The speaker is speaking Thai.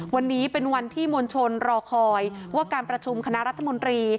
วันนี้เป็นวันที่มวลชนรอคอยว่าการประชุมคณะรัฐมนตรี